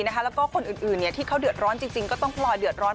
แล้วก็คนอื่นที่เขาเดือดร้อนจริงก็ต้องพลอยเดือดร้อน